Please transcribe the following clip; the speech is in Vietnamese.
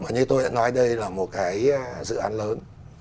như tôi đã nói đây là một cái dự án lớn